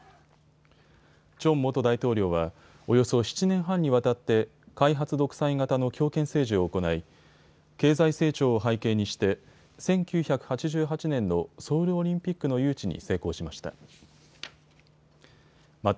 チョン元大統領はおよそ７年半にわたって開発独裁型の強権政治を行い、経済成長を背景にして１９８８年のソウルオリンピックの誘致に成功しました。